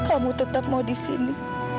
kamu tetap mau di sini